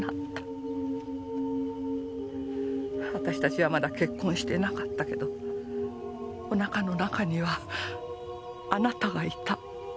私たちはまだ結婚してなかったけどおなかの中にはあなたがいた。